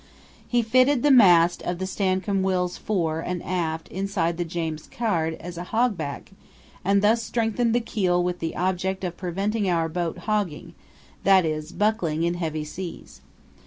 He fitted the mast of the Stancomb Wills fore and aft inside the James Caird as a hog back and thus strengthened the keel with the object of preventing our boat "hogging"—that is, buckling in heavy seas.